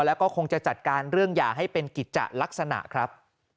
แล้วก็คงจะจัดการเรื่องหย่าให้เป็นกิจจะลักษณะครับ